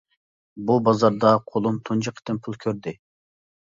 بۇ بازاردا قولۇم تۇنجى قېتىم پۇل كۆردى.